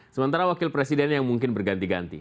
sementara wakil presiden yang mungkin berganti ganti